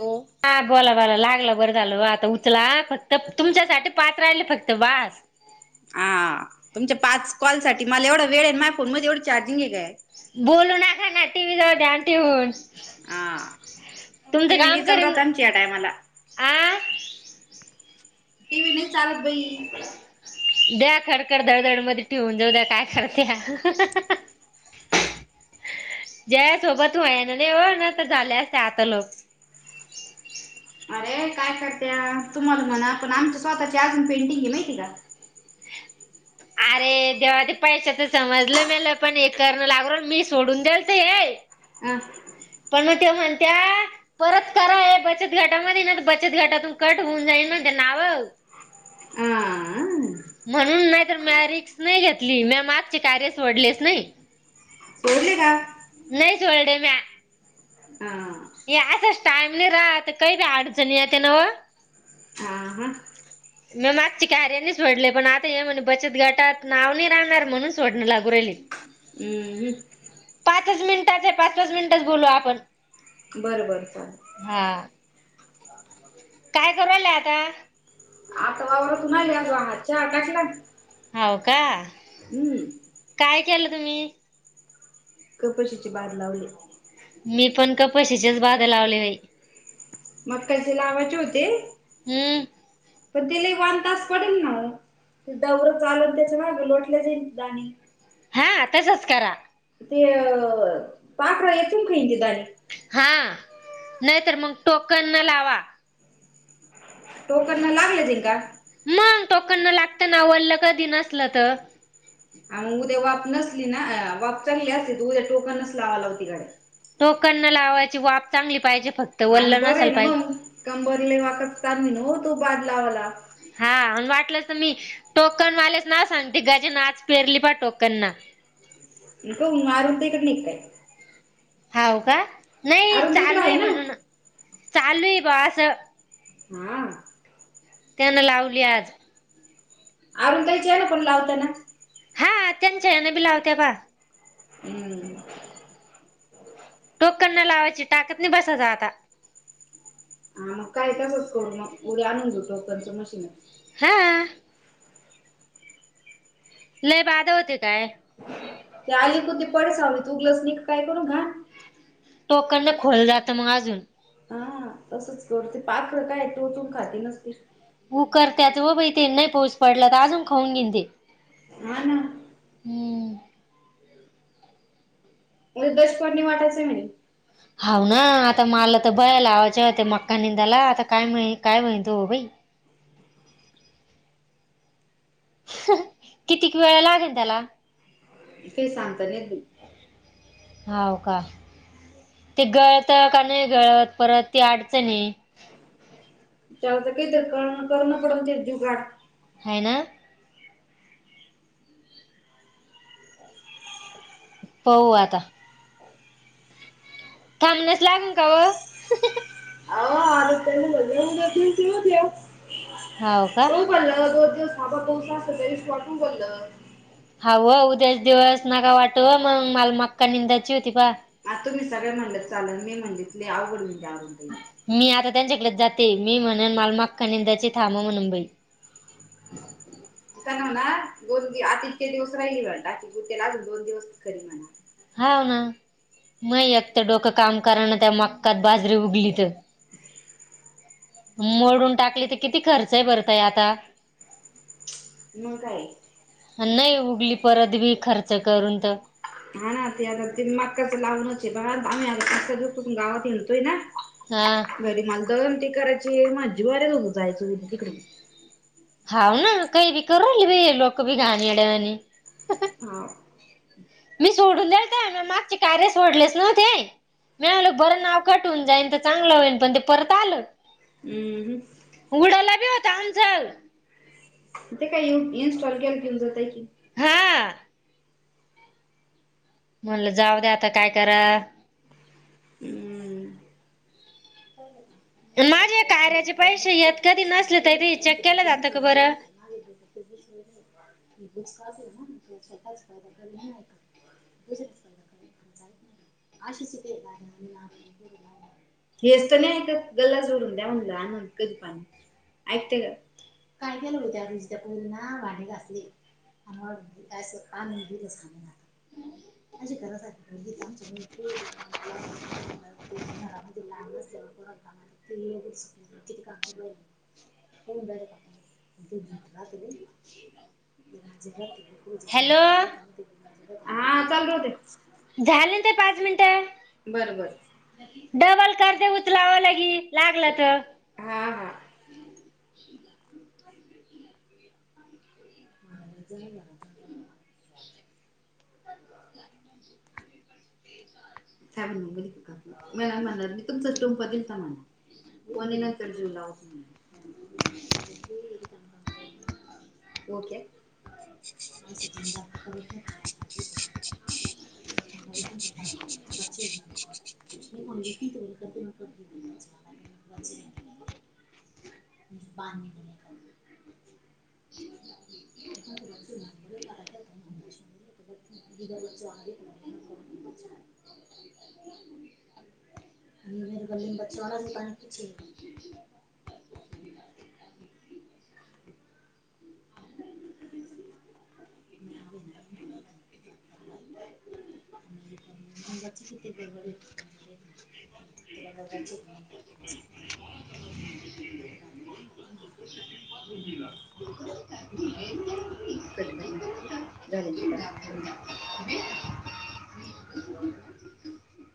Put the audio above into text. हो [unintelligible] हा बोला बोला लागलं बरं झालं आता उचला फक्त तुमच्यासाठी पाच राहिले फक्त बस. हा तुमच्या पाच कॉल साठी मला एवढा वेळ आणि माझ्या फोन मध्ये एवढं चार्जिंग हे काय आहे. बोलू ना खा ना टी व ती विनी चल रात आणखी या टामाला आं. टी व्ही नाही चालत भाई द्या खडखरधडधड मध्ये टेवून जाऊ द्या काय करत्या. ज सोबत वया ना नाहीव ना तर झाले असते आता लोक अरे काय करते तुम्हाला म्हणा पण आमच्या स्वतःची अजून पेंटिंग घे माहिती का? अरे देवा ते पैश तर समजलं मल पण हे करण लाग मी सोडून दल तर हे. अ पण मग ते म्हणत्या. परत करा आहे बचत घाटामध्ये ना तर बचत घाटातून कट होऊन जाईल म्ह ते नावं अं, म्हणून नाहीत म रिक्स नाही घेतली म मागचे कार्यच वडलेच नाही. बर्ली वा नाहीचोडे म अं, हे असंच टाइमने राहत काही बी अडचणी आहे त्या नाव ह ह. मग मागची कार्यानी सोडले पण आता हे म्हणे बचत गाटात नाव नाही राहणार म्हणून सोडणं लागू राहिली. हम् ह. पाच मिनिटच आहे पाच पाच मिनिटच बोलू आपण बरं बरं चाल. हा. काय कवायला आता णाल्या हच्या आकाशला होव का? हम्म. काय केलं तुम्ही? कपशीची बाार लावली. मी पण क पशचीच बाधा लावली होई मगकाचे लावाचे होते. हम्म. पण तेले वन तास पडेल ना. दवर चालत त्याच्या मा लोटल्या जाईलणी हा आताचच करा. ते अ पापरा ये तम काही दने हा नाही तरर मग टोकन न लावा. टोकन ना लागलं ते का? मंग तोकणना लागत ना वललं कधी नसल तर ह मग उद्या वाप नसली ना वाप चांगली असली तू उद्या टोकन नस लावा लावतीकडे टोकन न लावायची वाब चांगली पाहिजे फक्त वल्लं नसाल पाहिजे. कंबरले वाकत चाल मन हो तो बादलावाला हा आणि वाटलं तर मी टोकनवालेच ना सांगते गाजेन आच पेरली प टोकन ना. इक उ आरोते कड नेतय. हाव का नाही अरुण ताईकडे चालू आहे ना? म्हणून चालू आहे बा असं. हा. त्यान लावली आज अरुून काय आहे ना कोण लावताना हा त्यांच्या यान बी लावत्या बा हम्म. टोकना लावायची टाकत नाही बसायच आता हा मग काय तासच करू मग उर्या आणून घऊ टोकनचं मशीन हा. नाही बाधा होते काय. ते आली कु ते पडच आ् तुघलच न काय करून घा तोकण न खोललं जातं मग अजून. हा तसच करती पाखर काय तोचून खाती नसती उ कर त्याच व बाई ते नाही पोस पडला तर अजून खाऊन घेनते. हा ना. हमंम तरदशपणी वाटाचं म्ह हा ना आता मला तर बयाला आवाच्या होत्या मक्का निंदाला आता काय माहि काय माहिती हो भाई कितीक वेळा लागेल त्याला. ते सांगता नाही. होाव का. ते गळत का नाही गळत परत त अडच नाही. चचाल तर काय तर क करण पडत ज जूगाड ह ना हो आता थांबण्यास लागून का व अ आर त्यां मज. होव का. लं दो दिवस हबा बस असरीश वाटून बोललं. हवं उद्याच दिवस नका वाटू मग मला मक्का निंदायची होती बा. आ तुम्ही सगळे म्हणत चाल मी म्हणितली आवघड म्हजे आवूनडईला. मी आता त्यांच्याकडे जाते मी म्हणन मालमागख निंदाचे थांब मुंबई काणव ना दोन दि आता इतके दिवस राहिले म्हटा किू त्याला दोन दिवस खरी म्हणा हाव ना म एकत डोकं काम कराना त्या मक्कात बाजरी उगली तर. मोडून टाकली तर किती खर्च आहे भरतय आता. म काय नाही उगली परत बी खर्च करून तर. हा ना ते आता ते मग कसं लावूनच बघ आम्ही आ क दु गावात येतोय ना. हा. घरी मला दालन ते करायचय माला जिवावर आहेघ येत होत जायच तिकडे हा ना काही बी करल भी लोक बी घाणेरडयावाणी ह. मी सोडून दते म मागचे कार्य सोडलेच नव्हते. मिळालं बरं नाव कटवून जाईन तर चांगलं होईल पण ते परत आलं. हम. उडाला बी होता अंचल ते काय इन्स्टॉल केल कि येवुन जातय की हा. म्हणलं जाऊ द्या आता काय करा. हम्. माझे कार्याचे पैसे येत कधी नसले तर ते चेक केलं जातं का बरं [unintelligible] नातःय काु [inaudible] आश्चर्य ती. हे असत नाही गल्ला जोडून ऊनलान कध पाणी ऐते का काय केलं होत आधी त्या पोरी ना भांडी घासली. आम काण मुंदा ना [unintelligible] ते घरामध्ये लहान असल्यावरर ते सुटले. किती काम करू राहिल? होर त भटला [unintelligible] माझ हॅलो रा- [unintelligible] हा चालू राहुदे. झाले ना ते पाच मिनिटं. बर, बर. डबल कर. ऊचलावा गी लागल तर- हा हा. [unintelligible] [inaudible] मला म्हणे मी तुमचाच टोंप लावलता म्हणे. कोणी न्हवतं [unintelligible] ओके. [unintelligible] [unintelligible] [unintelligible] पा [unintelligible] [inaudible] आणि [unintelligible] [unintelligible] [unintelligible] [unintelligible] [inaudible] कट करना तिथे. झालीना पाच मिनिट. [unintelligible]